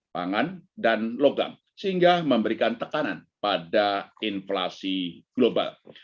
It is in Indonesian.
pangan dan logam sehingga memberikan tekanan pada inflasi global